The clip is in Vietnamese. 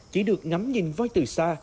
chỉ được ngắm nhìn voi từ xa